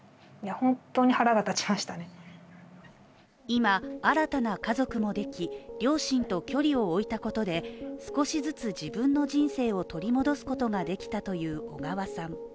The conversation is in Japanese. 今、新たな家族もでき両親と距離を置いたことで少しずつ自分の人生を取り戻すことができたという小川さん。